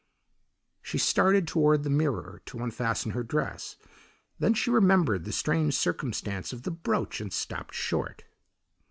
She started toward the mirror to unfasten her dress, then she remembered the strange circumstance of the brooch and stopped short.